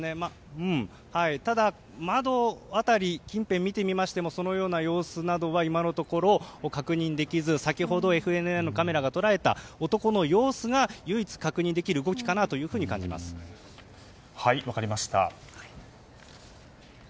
ただ、窓近辺を見てみてもそのような様子などは今のところ確認できず先ほどＦＮＮのカメラが捉えた男の様子が唯一、確認できる分かりました。